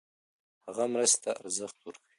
هغه مرستې ته ارزښت ورکوي.